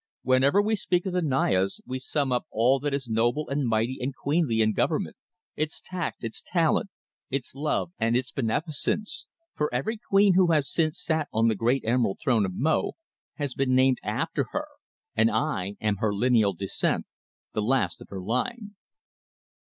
"Whenever we speak of the Nayas we sum up all that is noble and mighty and queenly in government, its tact, its talent, its love and its beneficence, for every queen who has since sat on the Great Emerald Throne of Mo has been named after her, and I am her lineal descendant, the last of her line."